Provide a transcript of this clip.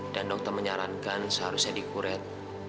dan dokter menyarankan seharusnya dikuret